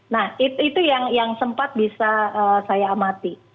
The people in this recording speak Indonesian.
nah itu yang sempat bisa saya amati